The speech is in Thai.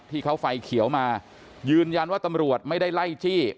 ที่เขาไฟเขียวมายืนยันว่าตำรวจไม่ได้ไล่จี้